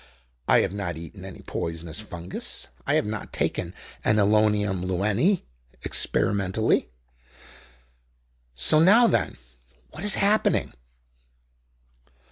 I have not eaten any poisonous fungus; I have not taken Anhelonium Lewinii experimentally. So, now then! What is happening?